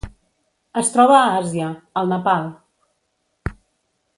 Es troba a Àsia: el Nepal.